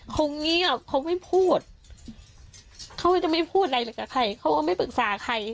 คงนี้อ่ะเขาไม่พูดเขาจะไม่พูดอะไรเลยกับใครเขาก็ไม่ปรึกษาใคร